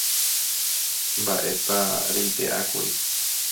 Mba'épa reipe'ákuri.